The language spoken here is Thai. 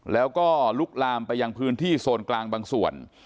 แล้วก็ลุกลามไปยังพื้นที่โซนกลางบางส่วน